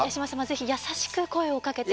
ぜひ優しく声をかけて。